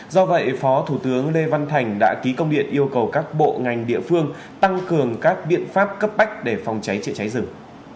do vậy phó thủ tướng lê văn thành đã ký công điện yêu cầu các bộ ngành địa phương tăng cường các biện pháp cấp bách để phòng cháy chữa cháy rừng